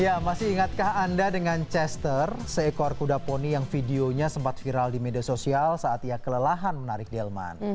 ya masih ingatkah anda dengan chester seekor kuda poni yang videonya sempat viral di media sosial saat ia kelelahan menarik delman